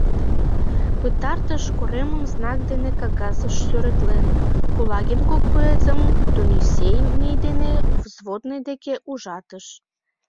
Пытартыш коремым знак дене кагазеш сӱретлен, Кулагин кок боецым донесений дене взводный деке ужатыш.